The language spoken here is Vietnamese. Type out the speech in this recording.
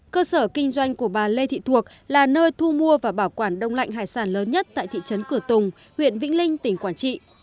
cơ sở kinh doanh của bà lê thị thuộc là nơi thu mua và bảo quản đông lạnh hải sản lớn nhất tại thị trấn cửa tùng huyện vĩnh linh tỉnh quảng trị